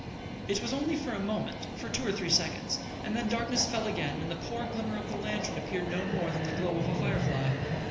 It was only for a moment for two or three seconds and then the darkness fell again and the poor glimmer of the lantern appeared no more than the glow of a fire fly.